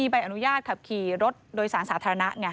ใบอนุญาตขับขี่รถโดยสารสาธารณะไง